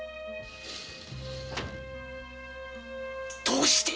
どうして。